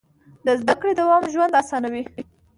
د زده کړې دوام ژوند اسانوي.